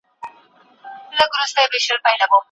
دوی د انساني چلند د اصلاح لپاره کار کوي.